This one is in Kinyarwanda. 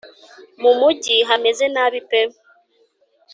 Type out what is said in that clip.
mumujyi hameze nabi pe